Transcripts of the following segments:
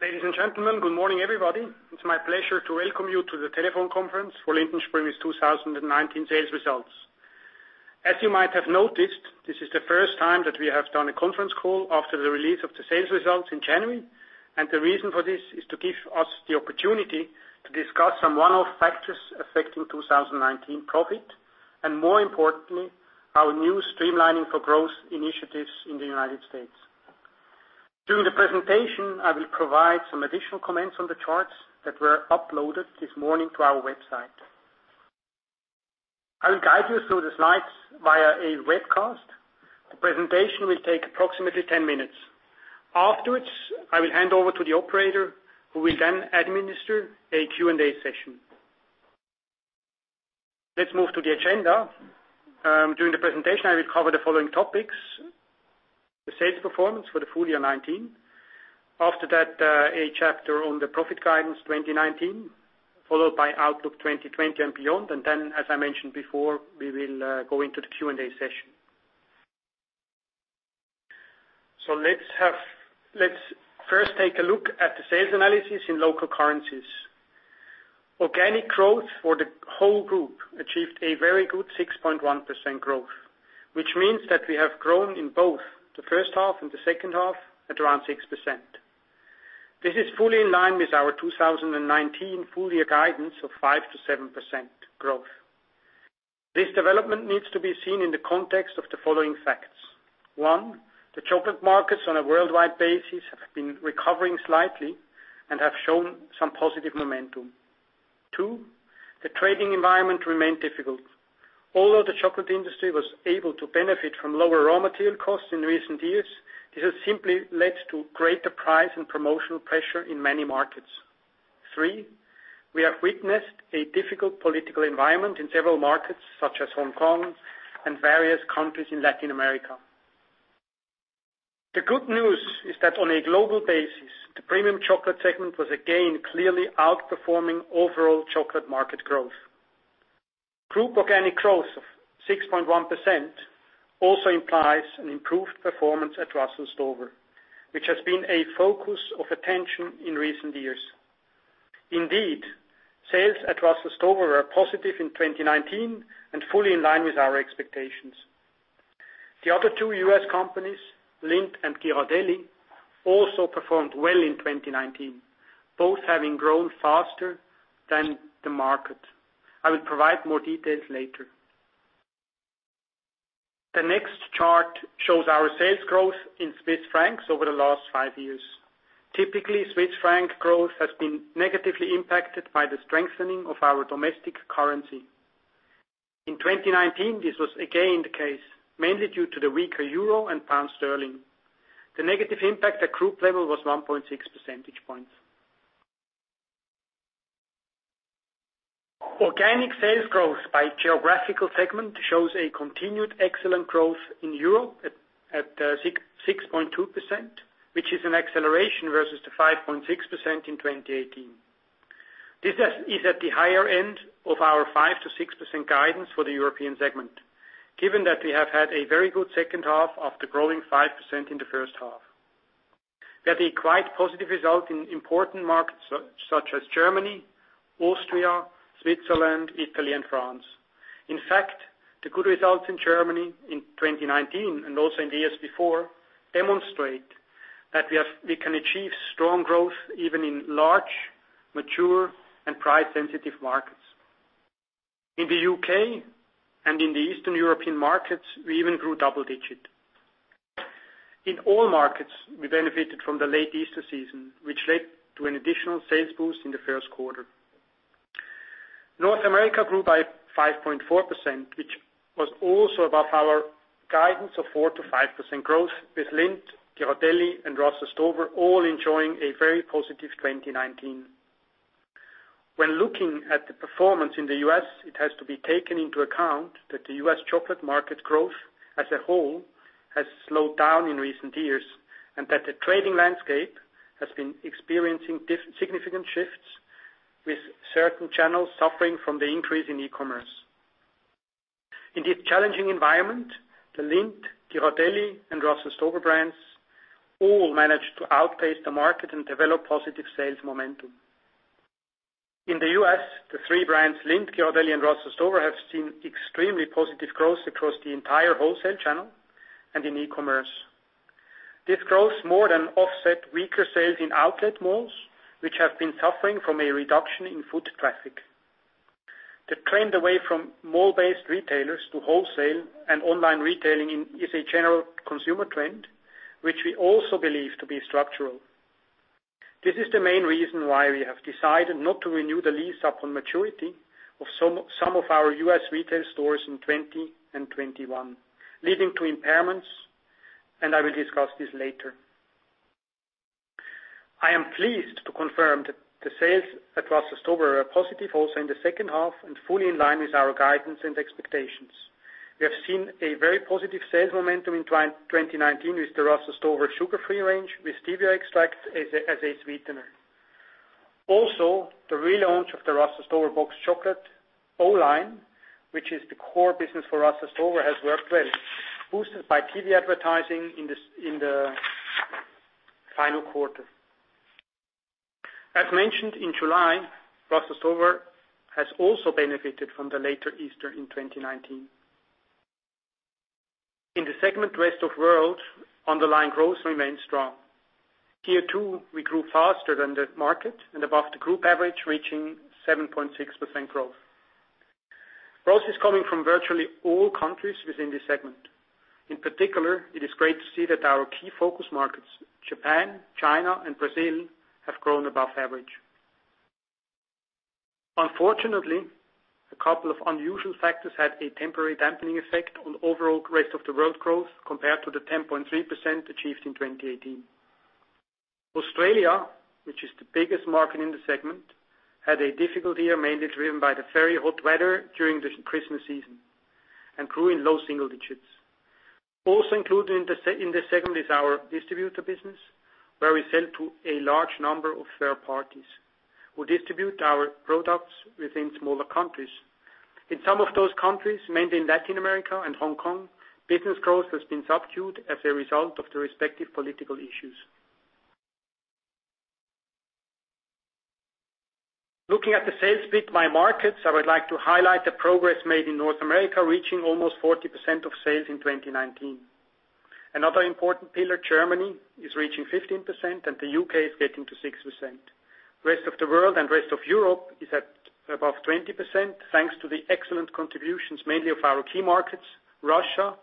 Ladies and gentlemen, good morning, everybody. It's my pleasure to welcome you to the telephone conference for Lindt & Sprüngli's 2019 sales results. As you might have noticed, this is the first time that we have done a conference call after the release of the sales results in January. The reason for this is to give us the opportunity to discuss some one-off factors affecting 2019 profit, and more importantly, our new streamlining for growth initiatives in the United States. During the presentation, I will provide some additional comments on the charts that were uploaded this morning to our website. I will guide you through the slides via a webcast. The presentation will take approximately 10 minutes. Afterwards, I will hand over to the operator, who will then administer a Q&A session. Let's move to the agenda. During the presentation, I will cover the following topics: the sales performance for the full year 2019. After that, a chapter on the profit guidance 2019, followed by outlook 2020 and beyond. Then, as I mentioned before, we will go into the Q&A session. Let's first take a look at the sales analysis in local currencies. Organic growth for the whole group achieved a very good 6.1% growth, which means that we have grown in both the first half and the second half at around 6%. This is fully in line with our 2019 full-year guidance of 5%-7% growth. This development needs to be seen in the context of the following facts. One, the chocolate markets on a worldwide basis have been recovering slightly and have shown some positive momentum. Two, the trading environment remained difficult. Although the chocolate industry was able to benefit from lower raw material costs in recent years, this has simply led to greater price and promotional pressure in many markets. Three, we have witnessed a difficult political environment in several markets, such as Hong Kong and various countries in Latin America. The good news is that on a global basis, the premium chocolate segment was again clearly outperforming overall chocolate market growth. Group organic growth of 6.1% also implies an improved performance at Russell Stover, which has been a focus of attention in recent years. Indeed, sales at Russell Stover were positive in 2019 and fully in line with our expectations. The other two US companies, Lindt and Ghirardelli, also performed well in 2019, both having grown faster than the market. I will provide more details later. The next chart shows our sales growth in Swiss francs over the last five years. Typically, Swiss franc growth has been negatively impacted by the strengthening of our domestic currency. In 2019, this was again the case, mainly due to the weaker euro and pound sterling. The negative impact at group level was 1.6 percentage points. Organic sales growth by geographical segment shows a continued excellent growth in Europe at 6.2%, which is an acceleration versus the 5.6% in 2018. This is at the higher end of our 5%-6% guidance for the European segment, given that we have had a very good second half after growing 5% in the first half. We had a quite positive result in important markets such as Germany, Austria, Switzerland, Italy, and France. In fact, the good results in Germany in 2019, and also in the years before, demonstrate that we can achieve strong growth even in large, mature, and price-sensitive markets. In the U.K. and in the Eastern European markets, we even grew double digits. In all markets, we benefited from the late Easter season, which led to an additional sales boost in the first quarter. North America grew by 5.4%, which was also above our guidance of 4% to 5% growth, with Lindt, Ghirardelli, and Russell Stover all enjoying a very positive 2019. When looking at the performance in the U.S., it has to be taken into account that the U.S. chocolate market growth as a whole has slowed down in recent years, and that the trading landscape has been experiencing significant shifts, with certain channels suffering from the increase in e-commerce. In this challenging environment, the Lindt, Ghirardelli, and Russell Stover brands all managed to outpace the market and develop positive sales momentum. In the U.S., the three brands, Lindt, Ghirardelli, and Russell Stover, have seen extremely positive growth across the entire wholesale channel and in e-commerce. This growth more than offset weaker sales in outlet malls, which have been suffering from a reduction in foot traffic. The trend away from mall-based retailers to wholesale and online retailing is a general consumer trend, which we also believe to be structural. This is the main reason why we have decided not to renew the lease upon maturity of some of our U.S. retail stores in 2020 and 2021, leading to impairments, and I will discuss this later. I am pleased to confirm that the sales at Russell Stover are positive also in the second half and fully in line with our guidance and expectations. We have seen a very positive sales momentum in 2019 with the Russell Stover sugar-free range with stevia extract as a sweetener. Also, the relaunch of the Russell Stover box chocolate line, which is the core business for Russell Stover, has worked well, boosted by TV advertising in the final quarter. As mentioned in July, Russell Stover has also benefited from the later Easter in 2019. In the segment Rest of World, underlying growth remained strong. Here, too, we grew faster than the market and above the group average, reaching 7.6% growth. Growth is coming from virtually all countries within this segment. In particular, it is great to see that our key focus markets, Japan, China, and Brazil, have grown above average. Unfortunately, a couple of unusual factors had a temporary dampening effect on overall Rest of World growth compared to the 10.3% achieved in 2018. Australia, which is the biggest market in the segment, had a difficult year, mainly driven by the very hot weather during the Christmas season, and grew in low single digits. Also included in this segment is our distributor business, where we sell to a large number of third parties who distribute our products within smaller countries. In some of those countries, mainly in Latin America and Hong Kong, business growth has been subdued as a result of the respective political issues. Looking at the sales bit by markets, I would like to highlight the progress made in North America, reaching almost 40% of sales in 2019. Another important pillar, Germany, is reaching 15%, and the U.K. is getting to 6%. Rest of World and rest of Europe is at above 20%, thanks to the excellent contributions mainly of our key markets, Russia,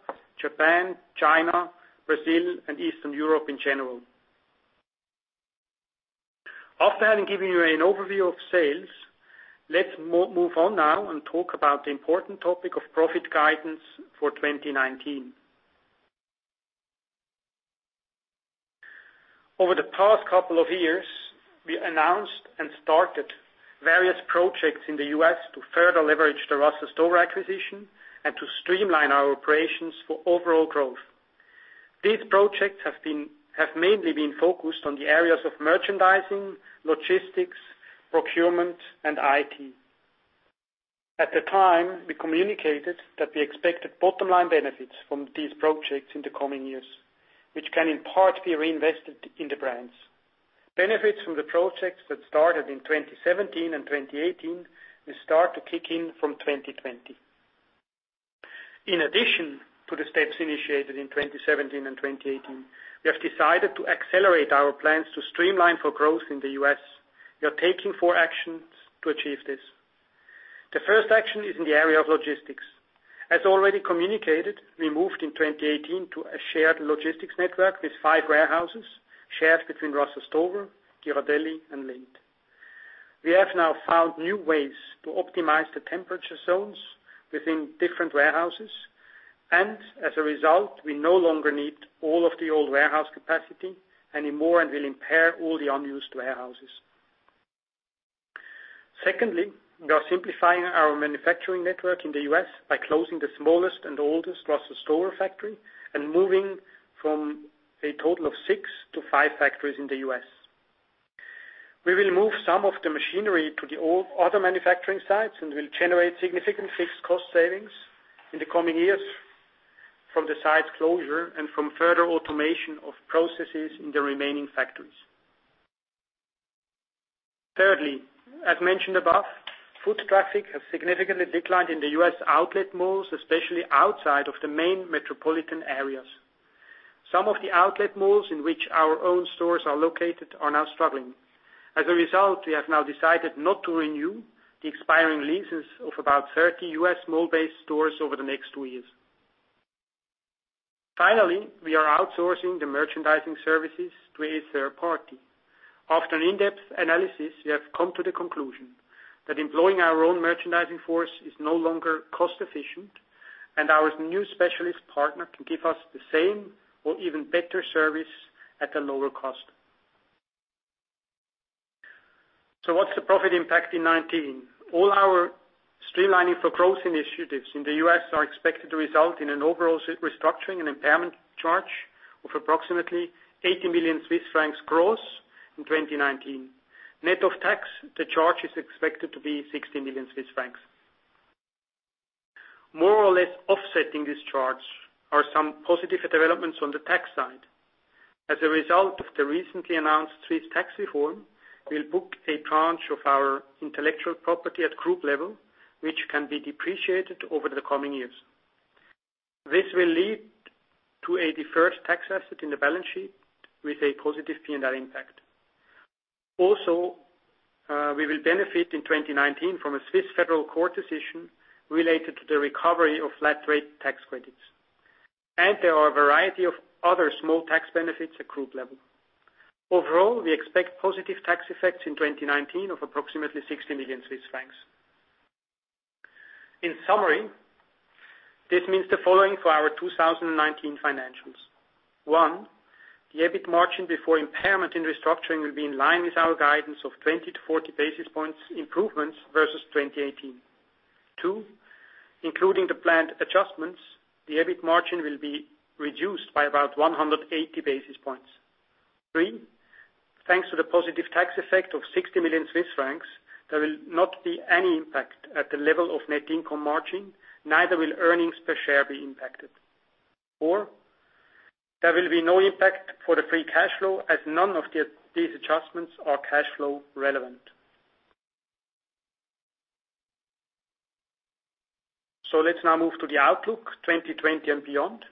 Japan, China, Brazil, and Eastern Europe in general. After having given you an overview of sales, let's move on now and talk about the important topic of profit guidance for 2019. Over the past couple of years, we announced and started various projects in the U.S. to further leverage the Russell Stover acquisition and to streamline our operations for overall growth. These projects have mainly been focused on the areas of merchandising, logistics, procurement, and IT. At the time, we communicated that we expected bottom-line benefits from these projects in the coming years, which can in part be reinvested in the brands. Benefits from the projects that started in 2017 and 2018 will start to kick in from 2020. In addition to the steps initiated in 2017 and 2018, we have decided to accelerate our plans to streamline for growth in the U.S. We are taking four actions to achieve this. The first action is in the area of logistics. As already communicated, we moved in 2018 to a shared logistics network with five warehouses shared between Russell Stover, Ghirardelli, and Lindt. We have now found new ways to optimize the temperature zones within different warehouses, and as a result, we no longer need all of the old warehouse capacity anymore, and we'll impair all the unused warehouses. Secondly, we are simplifying our manufacturing network in the U.S. by closing the smallest and oldest Russell Stover factory and moving from a total of six to five factories in the U.S. We will move some of the machinery to the other manufacturing sites and will generate significant fixed cost savings in the coming years from the site closure and from further automation of processes in the remaining factories. Thirdly, as mentioned above, foot traffic has significantly declined in the U.S. outlet malls, especially outside of the main metropolitan areas. Some of the outlet malls in which our own stores are located are now struggling. As a result, we have now decided not to renew the expiring leases of about 30 U.S. mall-based stores over the next two years. Finally, we are outsourcing the merchandising services to a third party. After an in-depth analysis, we have come to the conclusion that employing our own merchandising force is no longer cost-efficient, and our new specialist partner can give us the same or even better service at a lower cost. What's the profit impact in 2019? All our streamlining for growth initiatives in the U.S. are expected to result in an overall restructuring and impairment charge of approximately 80 million Swiss francs gross in 2019. Net of tax, the charge is expected to be 16 million Swiss francs. More or less offsetting this charge are some positive developments on the tax side. As a result of the recently announced Swiss tax reform, we'll book a tranche of our intellectual property at group level, which can be depreciated over the coming years. This will lead to a deferred tax asset in the balance sheet with a positive P&L impact. Also, we will benefit in 2019 from a Swiss federal court decision related to the recovery of flat rate tax credits, and there are a variety of other small tax benefits at group level. Overall, we expect positive tax effects in 2019 of approximately 60 million Swiss francs. In summary, this means the following for our 2019 financials. One, the EBIT margin before impairment and restructuring will be in line with our guidance of 20-40 basis points improvements versus 2018. Two, including the planned adjustments, the EBIT margin will be reduced by about 180 basis points. Three, thanks to the positive tax effect of 60 million Swiss francs, there will not be any impact at the level of net income margin, neither will earnings per share be impacted. Four, there will be no impact for the free cash flow as none of these adjustments are cash flow relevant. Let's now move to the outlook 2020 and beyond.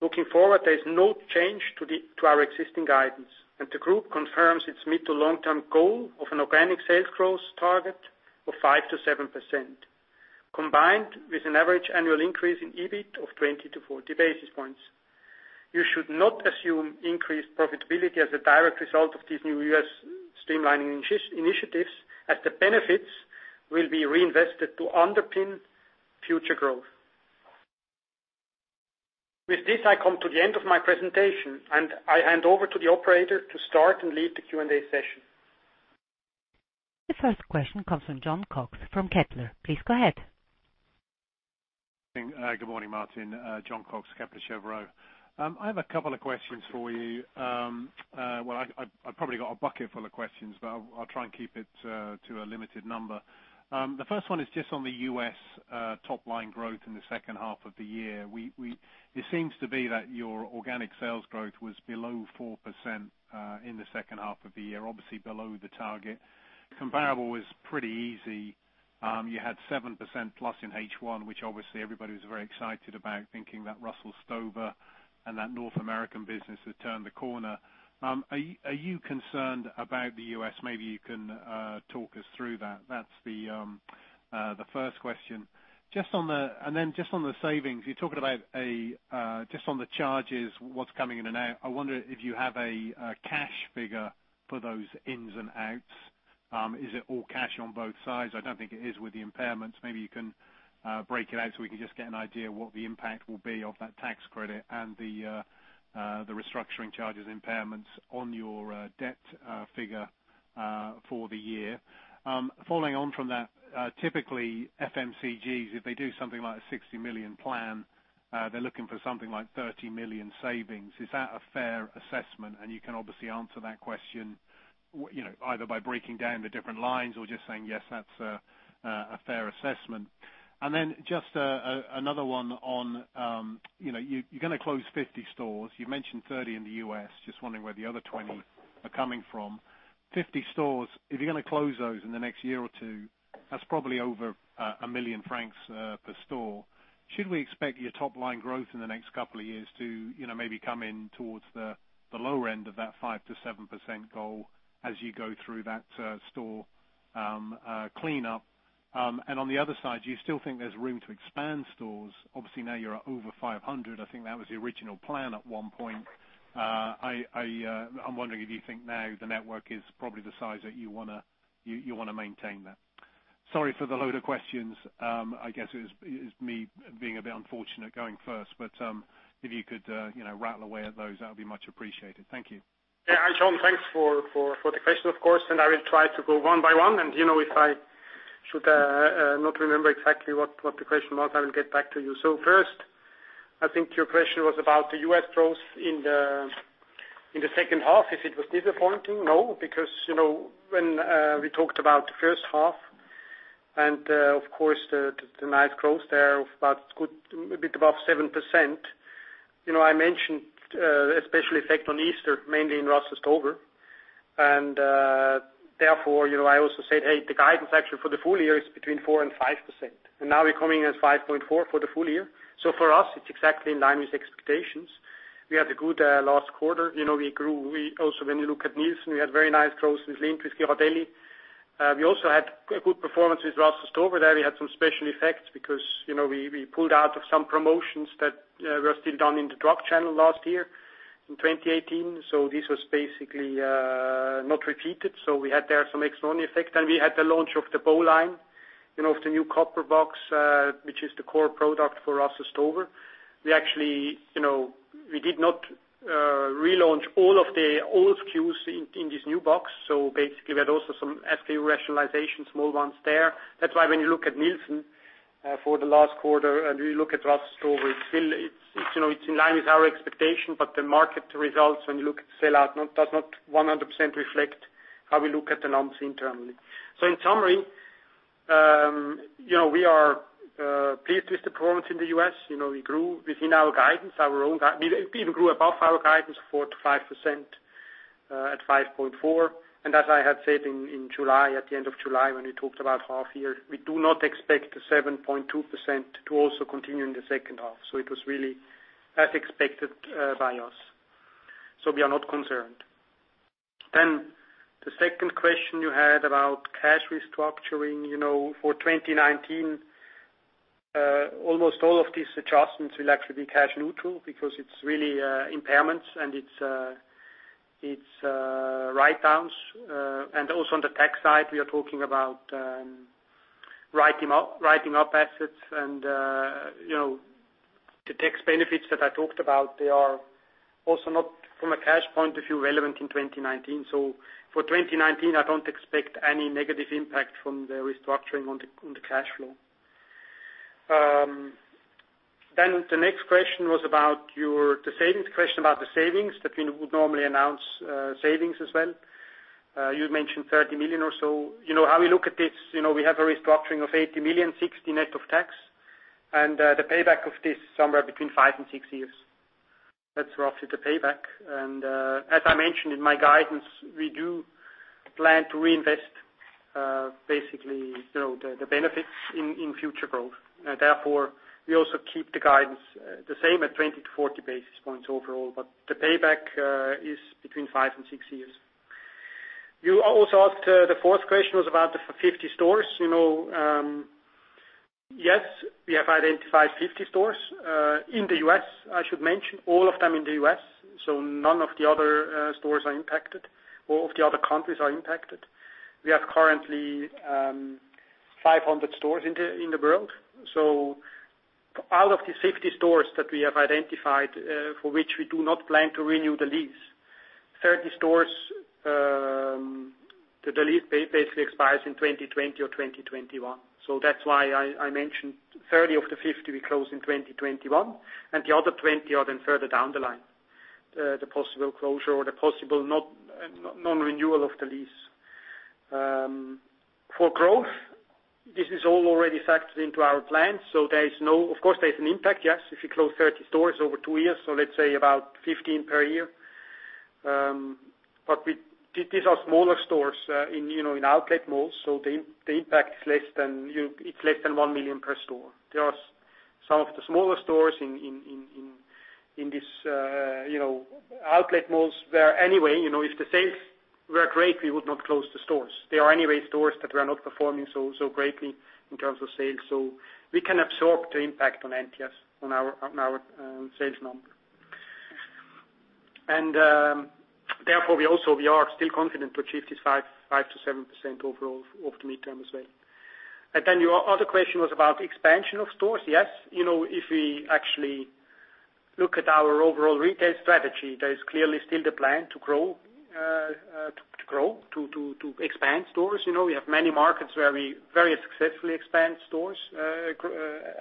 Looking forward, there is no change to our existing guidance, and the group confirms its mid to long-term goal of an organic sales growth target of 5%-7%, combined with an average annual increase in EBIT of 20-40 basis points. You should not assume increased profitability as a direct result of these new U.S. streamlining initiatives as the benefits will be reinvested to underpin future growth. With this, I come to the end of my presentation, and I hand over to the operator to start and lead the Q&A session. The first question comes from Jon Cox from Kepler. Please go ahead. Good morning, Martin. Jon Cox, Kepler Cheuvreux. I have a couple of questions for you. Well, I probably got a bucket full of questions, but I will try and keep it to a limited number. The first one is just on the U.S. top line growth in the second half of the year. It seems to be that your organic sales growth was below 4% in the second half of the year, obviously below the target. Comparable was pretty easy. You had 7% plus in H1, which obviously everybody was very excited about, thinking that Russell Stover and that North American business had turned the corner. Are you concerned about the U.S.? Maybe you can talk us through that. That's the first question. Then just on the savings, you are talking about just on the charges, what is coming in and out. I wonder if you have a cash figure for those ins and outs. Is it all cash on both sides? I don't think it is with the impairments. Maybe you can break it out so we can just get an idea what the impact will be of that tax credit and the restructuring charges impairments on your debt figure for the year. Typically FMCGs, if they do something like a 60 million plan, they're looking for something like 30 million savings. Is that a fair assessment? You can obviously answer that question either by breaking down the different lines or just saying, "Yes, that's a fair assessment." Just another one on you're gonna close 50 stores. You mentioned 30 in the U.S., just wondering where the other 20 are coming from. 50 stores, if you're going to close those in the next year or two, that's probably over 1 million francs per store. Should we expect your top line growth in the next couple of years to maybe come in towards the lower end of that 5%-7% goal as you go through that store cleanup? On the other side, do you still think there's room to expand stores? Obviously, now you're at over 500. I think that was the original plan at one point. I'm wondering if you think now the network is probably the size that you want to maintain there. Sorry for the load of questions. I guess it's me being a bit unfortunate going first, but if you could rattle away at those, that would be much appreciated. Thank you. Yeah. Jon, thanks for the question, of course, and I will try to go one by one. If I should not remember exactly what the question was, I will get back to you. First, I think your question was about the U.S. growth in the second half. If it was disappointing? No, because when we talked about the first half, and of course, the nice growth there of about a good bit above 7%. I mentioned a special effect on Easter, mainly in Russell Stover. Therefore, I also said, "Hey, the guidance actually for the full year is between 4% and 5%." Now we're coming in at 5.4% for the full year. For us, it's exactly in line with expectations. We had a good last quarter. We also, when you look at Nielsen, we had very nice growth with Lindt & Sprüngli. We also had good performance with Russell Stover there. We had some special effects because we pulled out of some promotions that were still done in the drug channel last year in 2018. This was basically not repeated. We had there some extraordinary effect. We had the launch of the Bow Line, of the new copper box, which is the core product for Russell Stover. We did not relaunch all of the old SKUs in this new box. Basically, we had also some SKU rationalization, small ones there. That's why when you look at Nielsen for the last quarter and we look at Russell Stover, it's in line with our expectation. The market results, when you look at sell out, does not 100% reflect how we look at the numbers internally. In summary, we are pleased with the performance in the U.S. We grew within our guidance. We even grew above our guidance 4%-5% at 5.4%. As I had said in July, at the end of July, when we talked about half year, we do not expect the 7.2% to also continue in the second half. It was really as expected by us. We are not concerned. The second question you had about cash restructuring. For 2019, almost all of these adjustments will actually be cash neutral because it's really impairments and it's write-downs. Also on the tax side, we are talking about writing up assets and the tax benefits that I talked about, they are also not from a cash point of view relevant in 2019. For 2019, I don't expect any negative impact from the restructuring on the cash flow. The next question was about the savings. Question about the savings, that we would normally announce savings as well. You had mentioned 30 million or so. How we look at this, we have a restructuring of $80 million, $60 net of tax, and the payback of this is somewhere between 5 and 6 years. That's roughly the payback. And as I mentioned in my guidance, we do plan to reinvest basically the benefits in future growth. Therefore, we also keep the guidance the same at 20 to 40 basis points overall. But the payback is between 5 and 6 years. You also asked, the fourth question was about the 50 stores. Yes. We have identified 50 stores, in the U.S., I should mention. All of them in the U.S., so none of the other stores are impacted, or of the other countries are impacted. We have currently 500 stores in the world. Out of the 50 stores that we have identified for which we do not plan to renew the lease, 30 stores, the lease basically expires in 2020 or 2021. That's why I mentioned 30 of the 50 we close in 2021, and the other 20 are then further down the line. The possible closure or the possible non-renewal of the lease. For growth, this is all already factored into our plans. Of course, there's an impact, yes. If you close 30 stores over two years, let's say about 15 per year. These are smaller stores in outlet malls. The impact is less than one million per store. They are some of the smaller stores in this outlet malls, where anyway, if the sales were great, we would not close the stores. They are anyway stores that were not performing so greatly in terms of sales. We can absorb the impact on NTS on our sales number. Therefore, we are still confident to achieve this 5%-7% overall of the midterm as well. Your other question was about expansion of stores. Yes. If we actually look at our overall retail strategy, there is clearly still the plan to grow, to expand stores. We have many markets where we very successfully expand stores,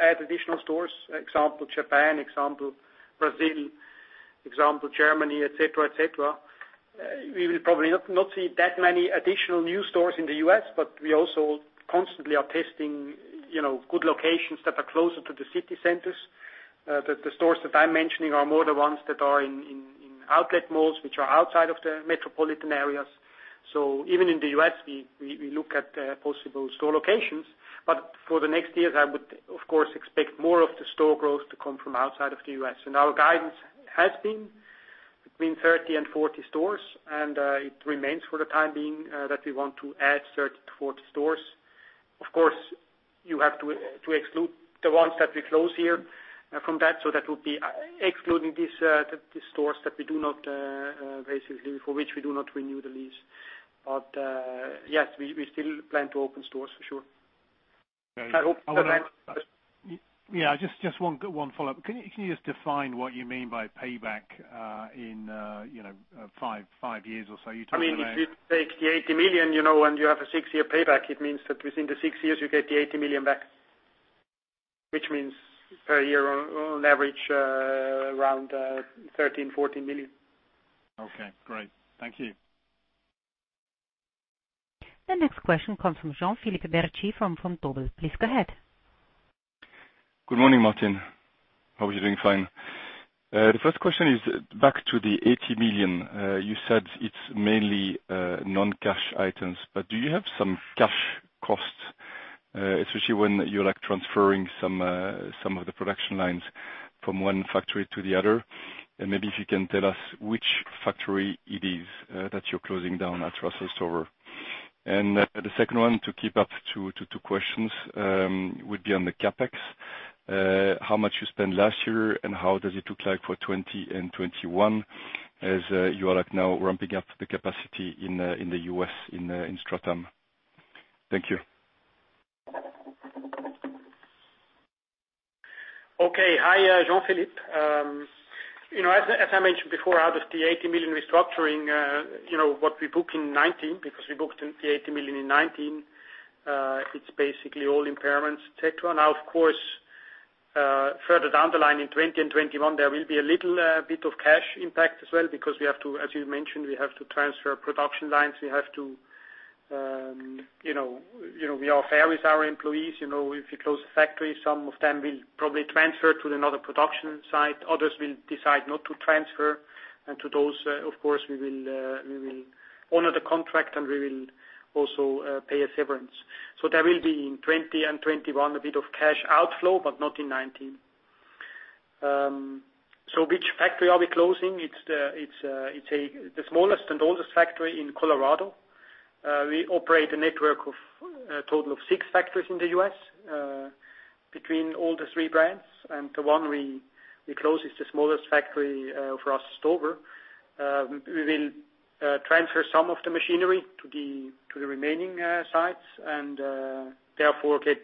add additional stores. Example Japan, example Brazil, example Germany, et cetera. We will probably not see that many additional new stores in the U.S., but we also constantly are testing good locations that are closer to the city centers. The stores that I'm mentioning are more the ones that are in outlet malls, which are outside of the metropolitan areas. Even in the U.S., we look at possible store locations. For the next years, I would of course expect more of the store growth to come from outside of the U.S. Our guidance has been between 30 and 40 stores, and it remains for the time being that we want to add 30 to 40 stores. Of course, you have to exclude the ones that we close here from that, so that would be excluding these stores that we do not basically, for which we do not renew the lease. Yes, we still plan to open stores for sure. Yeah. Just one follow-up. Can you just define what you mean by payback in five years or so? If you take the $80 million, and you have a six-year payback, it means that within the six years you get the $80 million back, which means per year on average around $13 million, $14 million. Okay, great. Thank you. The next question comes from Jean-Philippe Bertschy from Vontobel. Please go ahead. Good morning, Martin. Hope you're doing fine. The first question is back to the $80 million. You said it's mainly non-cash items, but do you have some cash costs, especially when you're transferring some of the production lines from one factory to the other? Maybe if you can tell us which factory it is that you're closing down at Russell Stover. The second one, to keep up to two questions, would be on the CapEx. How much you spent last year, how does it look like for 2020 and 2021 as you are now ramping up the capacity in the U.S. in Stratham? Thank you. Hi, Jean-Philippe. As I mentioned before, out of the $80 million restructuring, what we book in 2019, because we booked the $80 million in 2019, it's basically all impairments, et cetera. Of course further down the line in 2020 and 2021, there will be a little bit of cash impact as well, because we have to, as you mentioned, we have to transfer production lines. We are fair with our employees. If you close a factory, some of them will probably transfer to another production site. Others will decide not to transfer, and to those, of course, we will honor the contract and we will also pay a severance. There will be in 2020 and 2021 a bit of cash outflow, but not in 2019. Which factory are we closing? It's the smallest and oldest factory in Colorado. We operate a network of a total of six factories in the U.S. between all the three brands, and the one we close is the smallest factory for Russell Stover. We will transfer some of the machinery to the remaining sites, and therefore get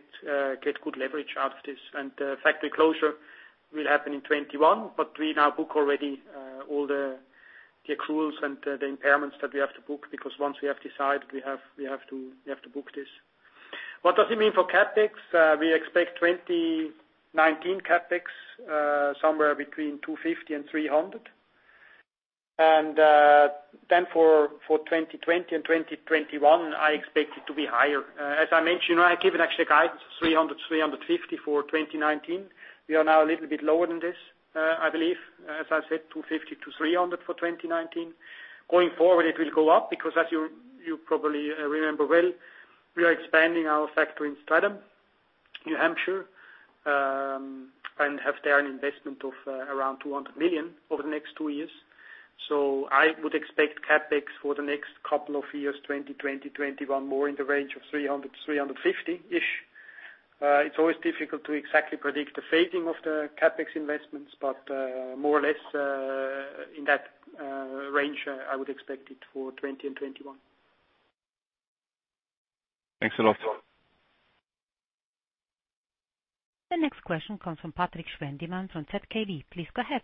good leverage out of this. Factory closure will happen in 2021, but we now book already all the accruals and the impairments that we have to book, because once we have decided, we have to book this. What does it mean for CapEx? We expect 2019 CapEx somewhere between 250 and 300. Then for 2020 and 2021, I expect it to be higher. As I mentioned, I gave actually a guidance of 300, 350 for 2019. We are now a little bit lower than this, I believe. As I said, 250-300 for 2019. Going forward, it will go up because as you probably remember well, we are expanding our factory in Stratham, New Hampshire, and have there an investment of around 200 million over the next two years. I would expect CapEx for the next couple of years, 2020, 2021, more in the range of 300 million, 350 million-ish. It's always difficult to exactly predict the phasing of the CapEx investments, but more or less, in that range, I would expect it for 2020 and 2021. Thanks a lot. The next question comes from Patrik Schwendimann from ZKB. Please go ahead.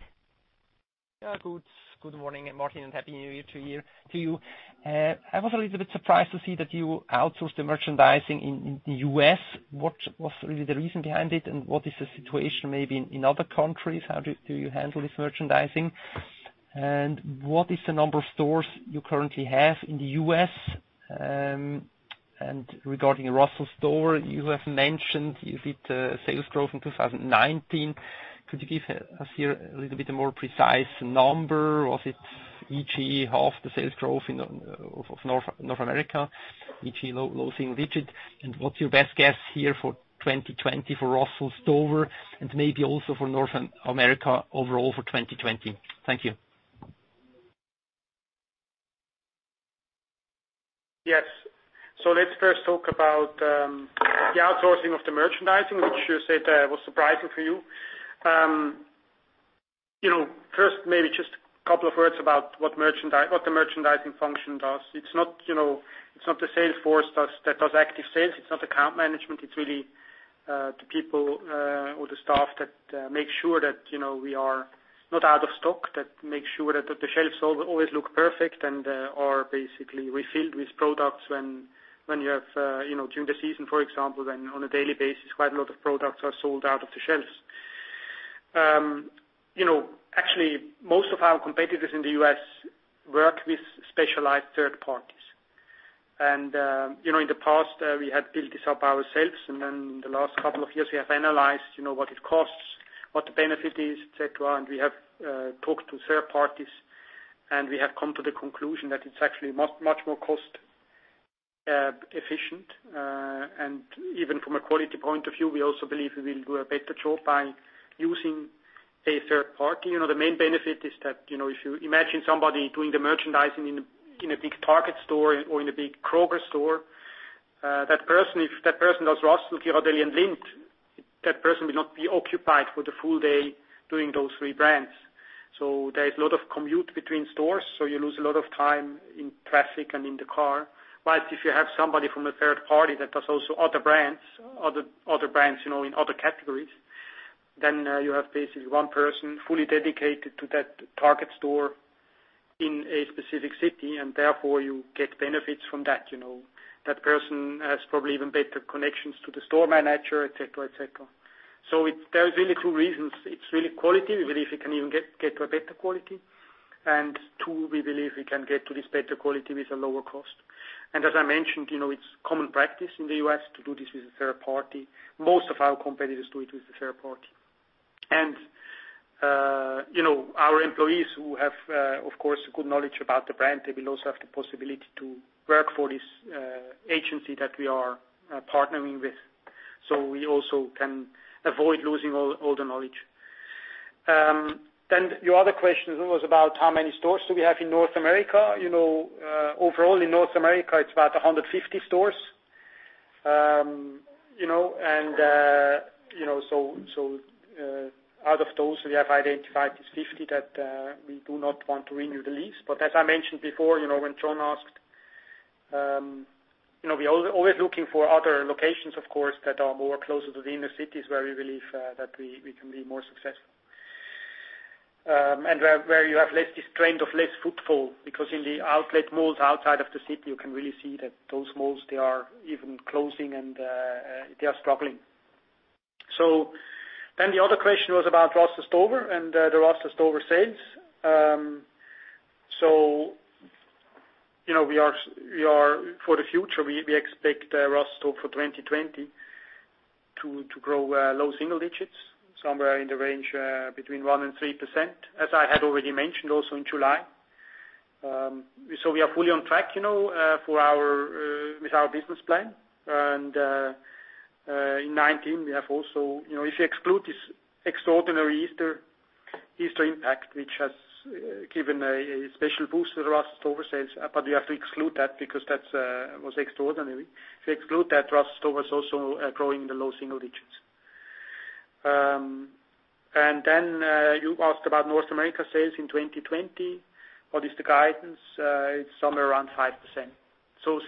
Good morning, Martin, and Happy New Year to you. I was a little bit surprised to see that you outsourced the merchandising in the U.S. What was really the reason behind it, what is the situation maybe in other countries? How do you handle this merchandising? What is the number of stores you currently have in the U.S.? Regarding Russell Stover, you have mentioned you hit sales growth in 2019. Could you give us here a little bit more precise number? Was it each year half the sales growth of North America, each year low single digit? What's your best guess here for 2020 for Russell Stover and maybe also for North America overall for 2020? Thank you. Yes. Let's first talk about the outsourcing of the merchandising, which you said was surprising for you. First, maybe just a couple of words about what the merchandising function does. It's not the sales force that does active sales. It's not account management. It's really the people or the staff that make sure that we are not out of stock, that make sure that the shelves always look perfect and are basically refilled with products when you have during the season, for example, when on a daily basis, quite a lot of products are sold out of the shelves. Most of our competitors in the U.S. work with specialized third parties. In the past, we had built this up ourselves, and then in the last couple of years, we have analyzed what it costs, what the benefit is, et cetera, and we have talked to third parties, and we have come to the conclusion that it's actually much more cost efficient. Even from a quality point of view, we also believe we will do a better job by using a third party. The main benefit is that, if you imagine somebody doing the merchandising in a big Target store or in a big Kroger store, if that person does Russell, Ghirardelli, and Lindt, that person will not be occupied for the full day doing those three brands. There is a lot of commute between stores, so you lose a lot of time in traffic and in the car. If you have somebody from a third party that does also other brands in other categories, then you have basically one person fully dedicated to that Target store in a specific city, and therefore you get benefits from that. That person has probably even better connections to the store manager, et cetera. There's really two reasons. It's really quality. We believe we can even get to a better quality. Two, we believe we can get to this better quality with a lower cost. As I mentioned, it's common practice in the U.S. to do this with a third party. Most of our competitors do it with a third party. Our employees who have, of course, good knowledge about the brand, they will also have the possibility to work for this agency that we are partnering with. We also can avoid losing all the knowledge. Your other question was about how many stores do we have in North America. Overall in North America, it's about 150 stores. Out of those, we have identified these 50 that we do not want to renew the lease. As I mentioned before when Jon asked, we're always looking for other locations, of course, that are more closer to the inner cities where we believe that we can be more successful. Where you have less this trend of less footfall, because in the outlet malls outside of the city, you can really see that those malls, they are even closing, and they are struggling. The other question was about Russell Stover and the Russell Stover sales. For the future, we expect Russell Stover for 2020 to grow low single digits, somewhere in the range between 1%-3%, as I had already mentioned also in July. We are fully on track with our business plan. In 2019, if you exclude this extraordinary Easter impact, which has given a special boost to the Russell Stover sales, but you have to exclude that because that was extraordinary. If you exclude that, Russell Stover is also growing in the low single digits. You asked about North America sales in 2020, what is the guidance? It is somewhere around 5%.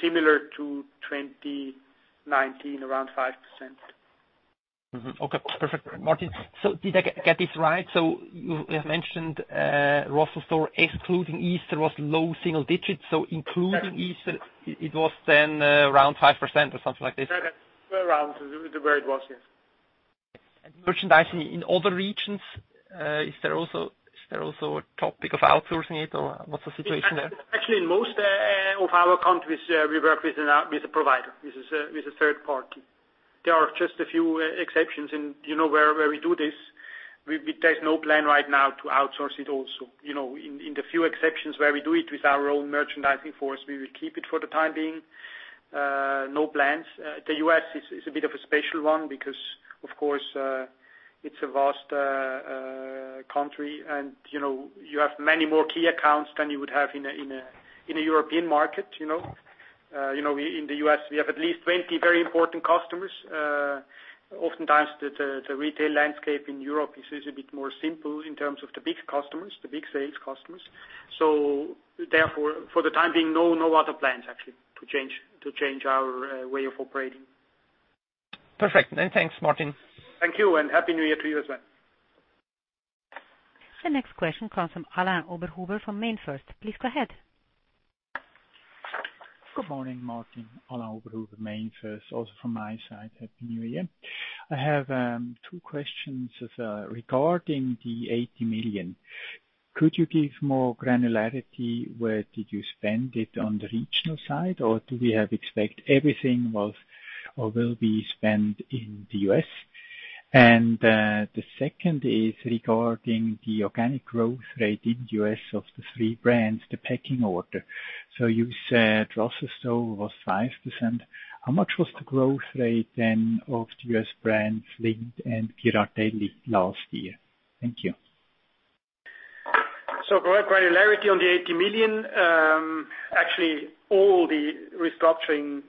Similar to 2019, around 5%. Mm-hmm. Okay, perfect. Martin, did I get this right? You have mentioned Russell Stover excluding Easter was low single digits, including Easter it was then around 5% or something like this? Around where it was, yes. Merchandising in other regions, is there also a topic of outsourcing it, or what's the situation there? Actually, in most of our countries, we work with a provider, with a third party. There are just a few exceptions where we do this. There's no plan right now to outsource it also. In the few exceptions where we do it with our own merchandising force, we will keep it for the time being. No plans. The U.S. is a bit of a special one because, of course, it's a vast country and you have many more key accounts than you would have in a European market. In the U.S., we have at least 20 very important customers. Oftentimes, the retail landscape in Europe is a bit more simple in terms of the big sales customers. Therefore, for the time being, no other plans actually to change our way of operating. Perfect. Thanks, Martin. Thank you. Happy New Year to you as well. The next question comes from Alain Oberhuber from MainFirst. Please go ahead. Good morning, Martin. Alain Oberhuber, MainFirst, also from my side, Happy New Year. I have two questions. Regarding the $80 million, could you give more granularity where did you spend it on the regional side, or do we expect everything was or will be spent in the U.S.? The second is regarding the organic growth rate in the U.S. of the three brands, the pecking order. So you said Russell Stover was 5%. How much was the growth rate then of the U.S. brands, Lindt and Ghirardelli last year? Thank you. For granularity on the $80 million, actually, all the restructuring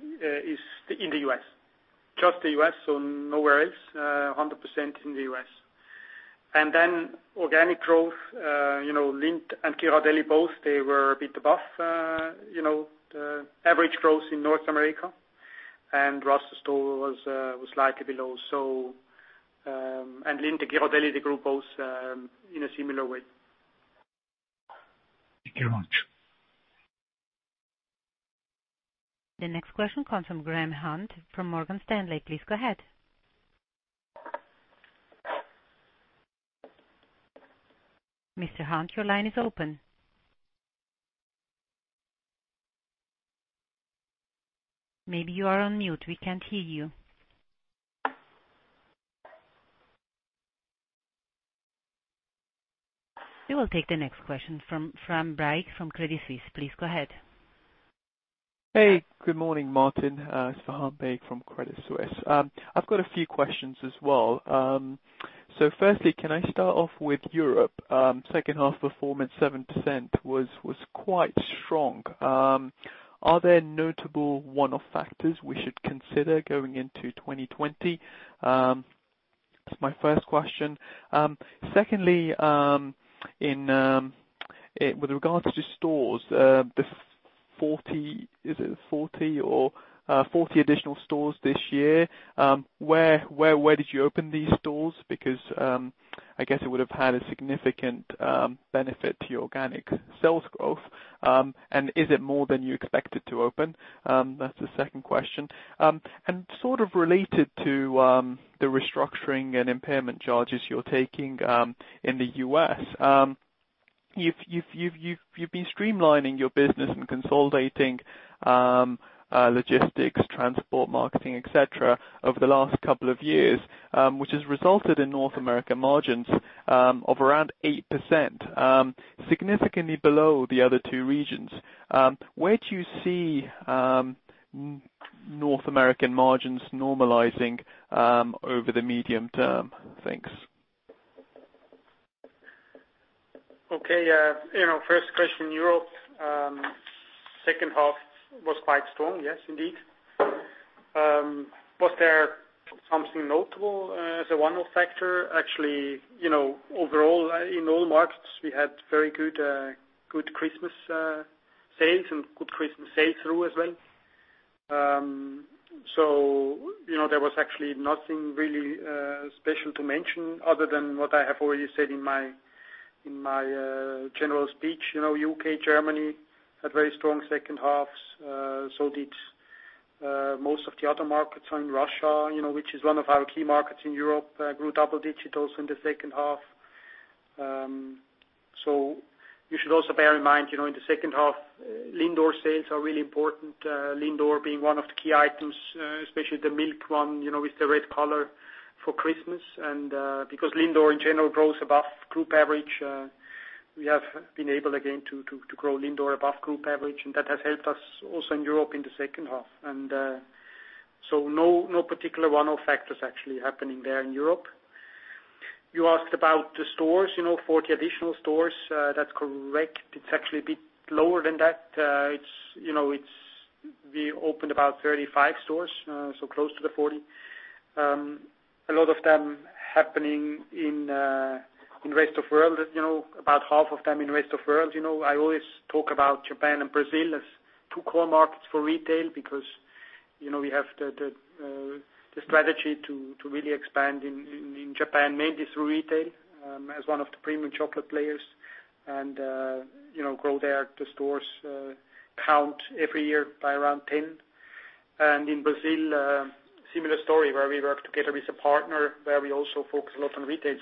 is in the U.S. Just the U.S., so nowhere else, 100% in the U.S. Organic growth, Lindt and Ghirardelli both, they were a bit above the average growth in North America, and Russell Stover was slightly below. Lindt and Ghirardelli grew both in a similar way. Thank you very much. The next question comes from Graham Hunt from Morgan Stanley. Please go ahead. Mr. Hunt, your line is open. Maybe you are on mute. We can't hear you. We will take the next question from Faham Baig from Credit Suisse. Please go ahead. Hey, good morning, Martin. It's Faham Baig from Credit Suisse. I've got a few questions as well. Firstly, can I start off with Europe? Second half performance, 7% was quite strong. Are there notable one-off factors we should consider going into 2020? That's my first question. Secondly, with regards to stores, is it 40 additional stores this year? Where did you open these stores? I guess it would have had a significant benefit to your organic sales growth. Is it more than you expected to open? That's the second question. Sort of related to the restructuring and impairment charges you're taking in the U.S. You've been streamlining your business and consolidating logistics, transport, marketing, et cetera, over the last couple of years, which has resulted in North America margins of around 8%, significantly below the other two regions. Where do you see North American margins normalizing over the medium term? Thanks. Okay. First question, Europe second half was quite strong. Yes, indeed. Was there something notable as a one-off factor? Actually, overall, in all markets, we had very good Christmas sales and good Christmas sales through as well. There was actually nothing really special to mention other than what I have already said in my general speech. U.K., Germany had very strong second halves. Did most of the other markets, and Russia, which is one of our key markets in Europe, grew double digits also in the second half. You should also bear in mind, in the second half, LINDOR sales are really important, LINDOR being one of the key items, especially the milk one, with the red color for Christmas. Because LINDOR in general grows above group average, we have been able again to grow LINDOR above group average, and that has helped us also in Europe in the second half. No particular one-off factors actually happening there in Europe. You asked about the stores, 40 additional stores. That's correct. It's actually a bit lower than that. We opened about 35 stores, so close to the 40. A lot of them happening in Rest of World, about half of them in Rest of World. I always talk about Japan and Brazil as two core markets for retail because we have the strategy to really expand in Japan, mainly through retail, as one of the premium chocolate players, and grow there the stores count every year by around 10. In Brazil, similar story, where we work together with a partner, where we also focus a lot on retail.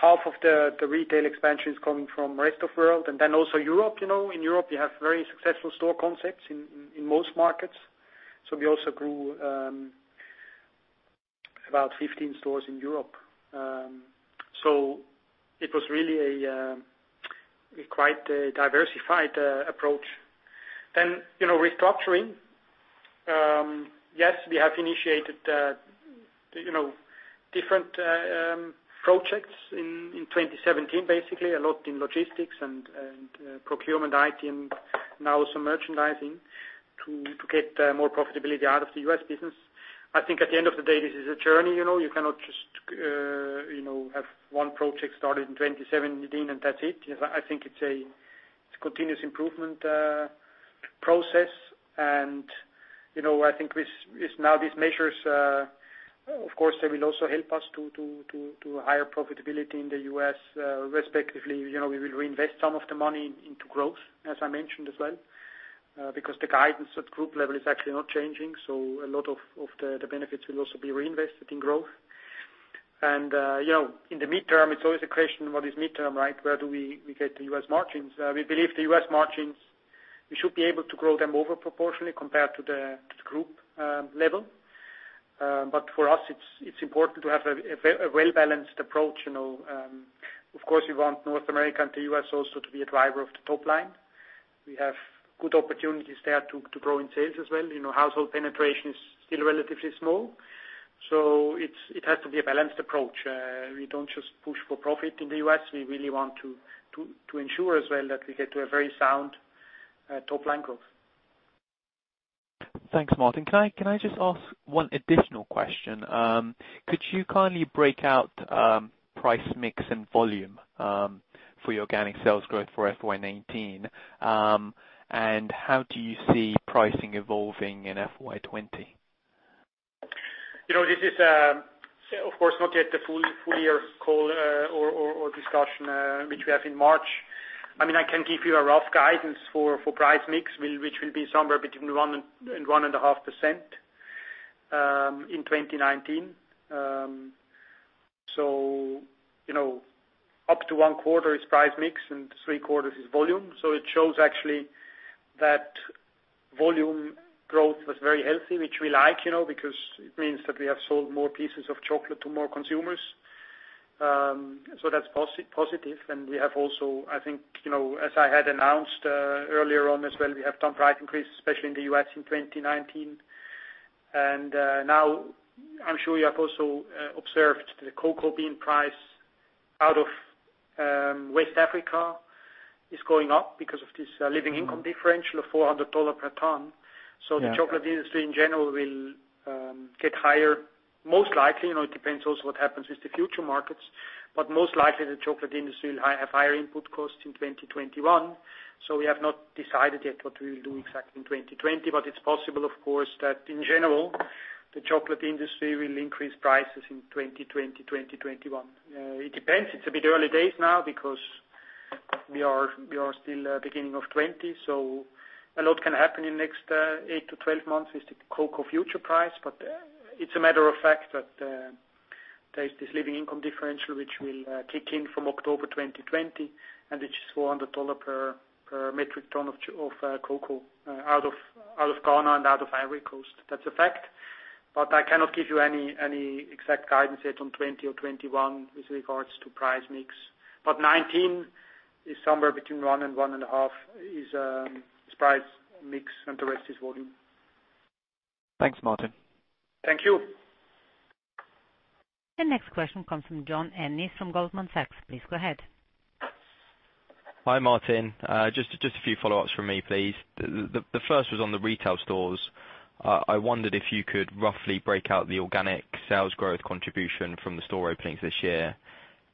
Half of the retail expansion is coming from Rest of World and also Europe. In Europe, we have very successful store concepts in most markets. We also grew about 15 stores in Europe. It was really a quite diversified approach. Restructuring. Yes, we have initiated different projects in 2017, basically, a lot in logistics and procurement, IT, and now some merchandising to get more profitability out of the U.S. business. I think at the end of the day, this is a journey. You cannot just have one project started in 2017, and that's it. I think it's a continuous improvement process. I think now these measures, of course, they will also help us to higher profitability in the U.S. Respectively, we will reinvest some of the money into growth, as I mentioned as well, because the guidance at group level is actually not changing. A lot of the benefits will also be reinvested in growth. In the midterm, it's always a question, what is midterm, right? Where do we get the U.S. margins? We believe the U.S. margins, we should be able to grow them over proportionally compared to the group level. For us, it's important to have a well-balanced approach. Of course, we want North America and the U.S. also to be a driver of the top line. We have good opportunities there to grow in sales as well. Household penetration is still relatively small. It has to be a balanced approach. We don't just push for profit in the U.S. We really want to ensure as well that we get to a very sound top-line growth. Thanks, Martin. Can I just ask one additional question? Could you kindly break out price mix and volume for your organic sales growth for FY-19? How do you see pricing evolving in FY-20? This is, of course, not yet the full year call or discussion, which we have in March. I can give you a rough guidance for price mix, which will be somewhere between 1% and 1.5% in 2019. Up to one-quarter is price mix and three-quarters is volume. It shows actually that volume growth was very healthy, which we like, because it means that we have sold more pieces of chocolate to more consumers. That's positive. We have also, I think as I had announced earlier on as well, we have done price increase, especially in the U.S. in 2019. Now I'm sure you have also observed the cocoa bean price out of West Africa is going up because of this Living Income Differential of $400 per ton. Yeah. The chocolate industry in general will get higher, most likely. It depends also what happens with the future markets, but most likely the chocolate industry will have higher input costs in 2021. We have not decided yet what we will do exactly in 2020. It's possible, of course, that in general, the chocolate industry will increase prices in 2020, 2021. It depends. It's a bit early days now because we are still beginning of 2020, a lot can happen in next 8 to 12 months with the cocoa future price. It's a matter of fact that there's this Living Income Differential, which will kick in from October 2020, and which is CHF 400 per metric ton of cocoa out of Ghana and out of Ivory Coast. That's a fact, I cannot give you any exact guidance yet on 2020 or 2021 with regards to price mix. 2019 is somewhere between 1% and 1.5% is price mix, and the rest is volume. Thanks, Martin. Thank you. The next question comes from John Ennis from Goldman Sachs. Please go ahead. Hi, Martin. Just a few follow-ups from me, please. The first was on the retail stores. I wondered if you could roughly break out the organic sales growth contribution from the store openings this year.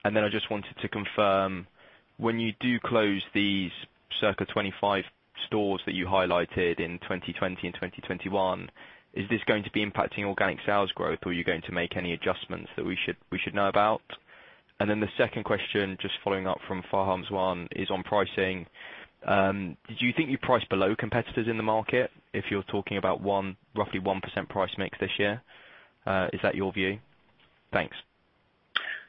I just wanted to confirm, when you do close these circa 25 stores that you highlighted in 2020 and 2021, is this going to be impacting organic sales growth, or are you going to make any adjustments that we should know about? The second question, just following up from Faham's one, is on pricing. Do you think you price below competitors in the market if you're talking about roughly 1% price mix this year? Is that your view? Thanks.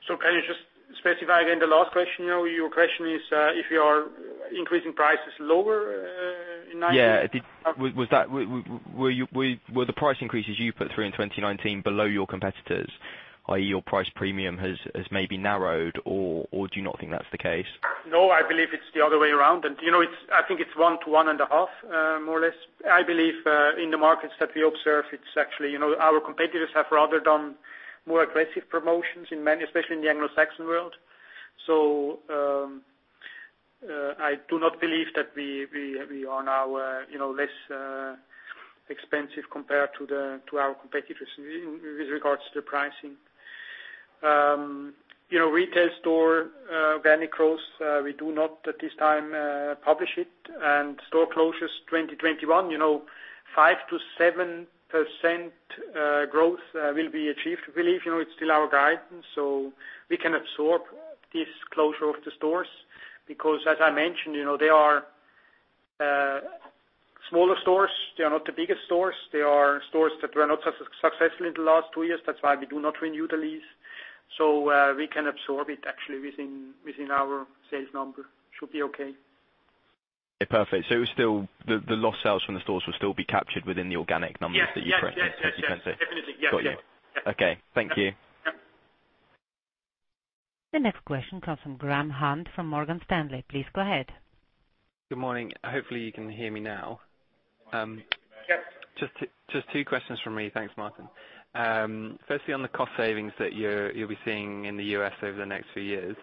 Can you just specify again the last question? Your question is if we are increasing prices lower in 2019? Yeah. Were the price increases you put through in 2019 below your competitors, i.e., your price premium has maybe narrowed, or do you not think that's the case? No, I believe it's the other way around. I think it's 1 to 1.5, more or less. I believe in the markets that we observe, it's actually our competitors have rather done more aggressive promotions, especially in the Anglo-Saxon world. I do not believe that we are now less expensive compared to our competitors with regards to pricing. Retail store organic growth, we do not at this time publish it. Store closures 2021, 5%-7% growth will be achieved. Believe, it's still our guidance, so we can absorb this closure of the stores because as I mentioned, they are smaller stores. They are not the biggest stores. They are stores that were not successful in the last two years. That's why we do not renew the lease. We can absorb it actually within our sales number. Should be okay. Perfect. The lost sales from the stores will still be captured within the organic numbers that you presented? Yes. Definitely. Yes. Got you. Okay. Thank you. Yep. The next question comes from Graham Hunt from Morgan Stanley. Please go ahead. Good morning. Hopefully you can hear me now. Yes. Just two questions from me. Thanks, Martin. Firstly, on the cost savings that you'll be seeing in the U.S. over the next few years,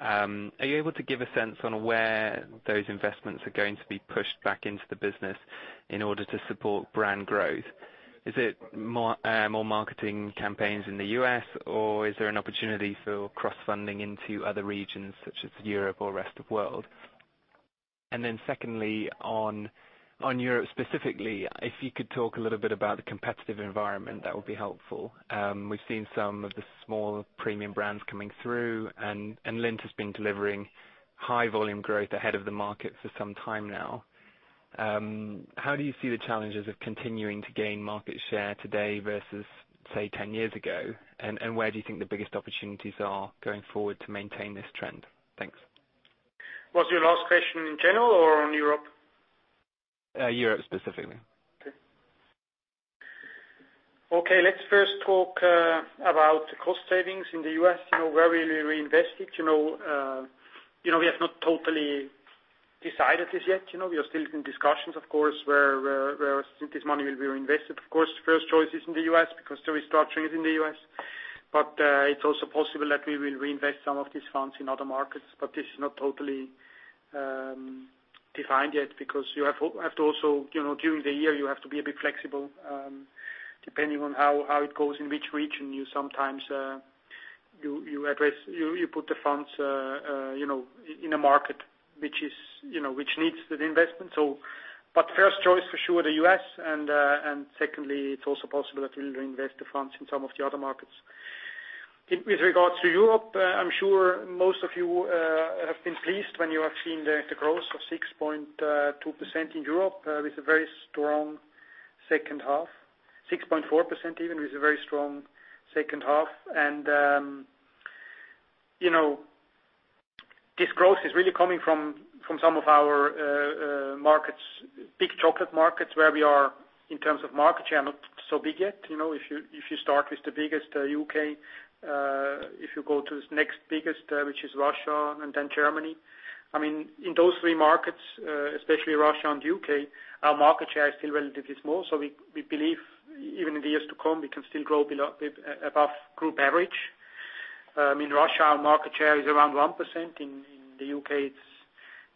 are you able to give a sense on where those investments are going to be pushed back into the business in order to support brand growth? Is it more marketing campaigns in the U.S., or is there an opportunity for cross-funding into other regions such as Europe or Rest of World? Secondly, on Europe specifically, if you could talk a little bit about the competitive environment, that would be helpful. We've seen some of the smaller premium brands coming through, and Lindt has been delivering high volume growth ahead of the market for some time now. How do you see the challenges of continuing to gain market share today versus, say, 10 years ago? Where do you think the biggest opportunities are going forward to maintain this trend? Thanks. Was your last question in general or on Europe? Europe specifically. Let's first talk about the cost savings in the U.S., where we reinvest it. We have not totally decided this yet. We are still in discussions, of course, where this money will be reinvested. First choice is in the U.S. because the restructuring is in the U.S. It's also possible that we will reinvest some of these funds in other markets. This is not totally defined yet because you have to also, during the year, you have to be a bit flexible. Depending on how it goes in which region, you sometimes put the funds in a market which needs the investment. First choice for sure, the U.S., and secondly, it's also possible that we'll reinvest the funds in some of the other markets. With regards to Europe, I'm sure most of you have been pleased when you have seen the growth of 6.2% in Europe with a very strong second half, 6.4% even, with a very strong second half. This growth is really coming from some of our markets, big chocolate markets where we are in terms of market share, not so big yet. If you start with the biggest, U.K., if you go to the next biggest, which is Russia and then Germany. In those three markets, especially Russia and U.K., our market share is still relatively small. We believe even in the years to come, we can still grow above group average. In Russia, our market share is around 1%. In the U.K., it's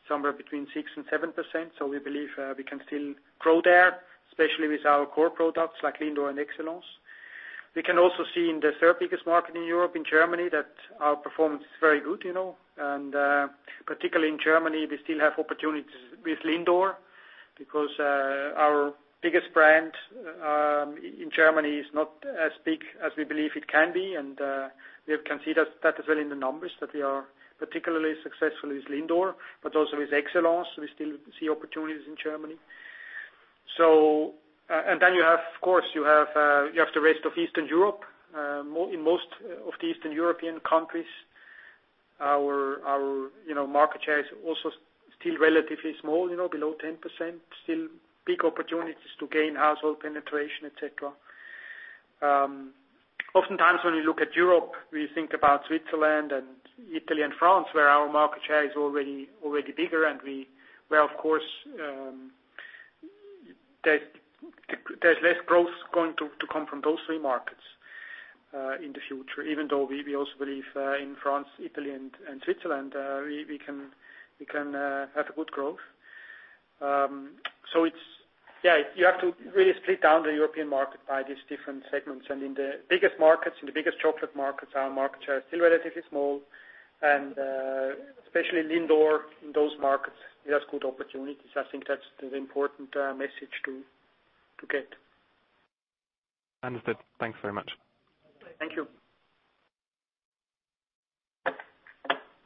somewhere between 6% and 7%. We believe we can still grow there, especially with our core products like LINDOR and EXCELLENCE. We can also see in the third biggest market in Europe, in Germany, that our performance is very good. Particularly in Germany, we still have opportunities with LINDOR because our biggest brand in Germany is not as big as we believe it can be. We have considered that as well in the numbers, that we are particularly successful with LINDOR, but also with EXCELLENCE. We still see opportunities in Germany. Then you have, of course, the rest of Eastern Europe. In most of the Eastern European countries, our market share is also still relatively small, below 10%. Still big opportunities to gain household penetration, et cetera. Oftentimes when we look at Europe, we think about Switzerland and Italy and France, where our market share is already bigger, and there's less growth going to come from those three markets, in the future, even though we also believe in France, Italy, and Switzerland, we can have a good growth. You have to really split down the European market by these different segments. In the biggest markets, in the biggest chocolate markets, our market share is still relatively small, and especially LINDOR in those markets, we have good opportunities. I think that's the important message to get. Understood. Thanks very much. Thank you.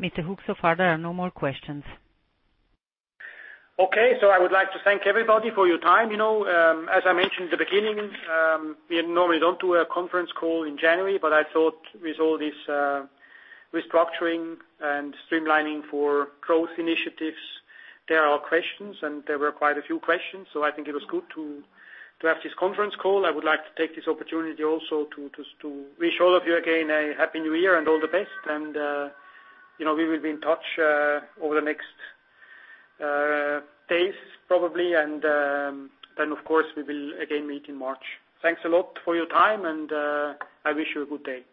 Mr. Hug, so far there are no more questions. Okay, I would like to thank everybody for your time. As I mentioned at the beginning, we normally don't do a conference call in January, but I thought with all this restructuring and streamlining for growth initiatives, there are questions, and there were quite a few questions. I think it was good to have this conference call. I would like to take this opportunity also to wish all of you again a happy New Year and all the best. We will be in touch over the next days probably. Then of course we will again meet in March. Thanks a lot for your time, and I wish you a good day.